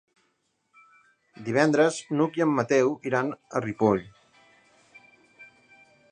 Divendres n'Hug i en Mateu iran a Ripoll.